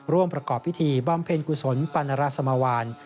ร่วมประกอบพิธีบำเพ็ญกุศลปันราสมวาน